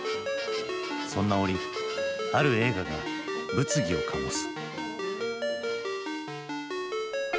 そんな折ある映画が物議を醸す。